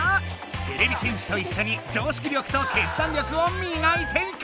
てれび戦士といっしょに常識力と決断力をみがいていこう！